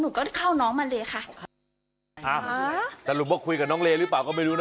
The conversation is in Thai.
หนูก็เข้าน้องมาเลยค่ะอ่าสรุปว่าคุยกับน้องเลหรือเปล่าก็ไม่รู้นะ